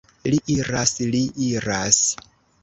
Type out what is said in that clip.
Li iras, li iras!